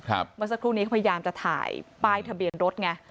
เมื่อสักครู่นี้เขาพยายามจะถ่ายป้ายทะเบียนรถไง